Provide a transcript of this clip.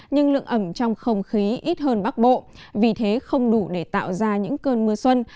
nhưng lượng ẩm trong không khí ít hơn bắc bộ vì thế không đủ để tạo ra những cơn mưa xuân